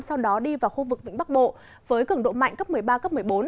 sau đó đi vào khu vực vĩnh bắc bộ với cường độ mạnh cấp một mươi ba cấp một mươi bốn